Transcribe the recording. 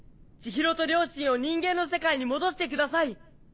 千尋と両親を人間の世界に戻してください。